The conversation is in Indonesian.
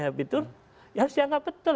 harus dianggap betul